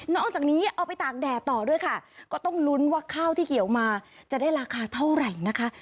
จากนี้เอาไปตากแดดต่อด้วยค่ะก็ต้องลุ้นว่าข้าวที่เกี่ยวมาจะได้ราคาเท่าไหร่นะคะ